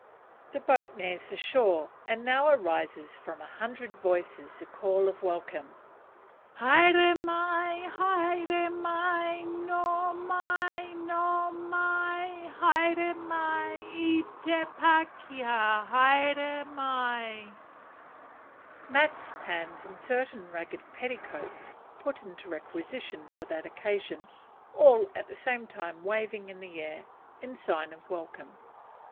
The boat nears the shore, and now arises from a hundred voices the call of welcome, "Haere mai! haere mai! hoe mai! hoe mai! haere mai, e te pa ke ha, haere mai!" Mats, hands, and certain ragged petticoats put into requisition for that occasion, all at the same time waving in the air in sign of welcome.